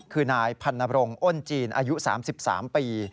คือนายพันนบรงอ้นจีนอายุ๓๓ปี